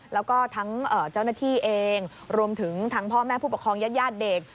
แล้วก็ทั้งเจ้าหน้าที่เองรวมถึงทั้งพ่อแม่ผู้ปกครองญาติเด็ก